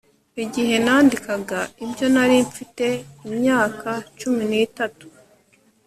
Igihe nandikaga ibyo nari mfite imyaka cumi nitatu